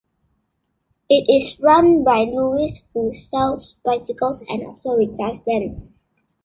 It is run by Luis who sells bicycles and also repairs them.